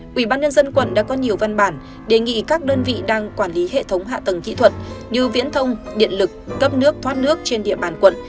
quỹ ban nhân dân quận đã có nhiều văn bản đề nghị các đơn vị đang quản lý hệ thống hạ tầng kỹ thuật như viễn thông điện lực cấp nước thoát nước trên địa bàn quận